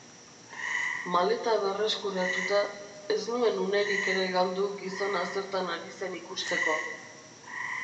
Maleta berreskuratuta, ez nuen unerik ere galdu gizona zertan ari zen ikusteko.